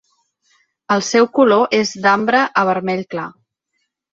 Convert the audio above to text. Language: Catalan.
El seu color és d'ambre a vermell clar.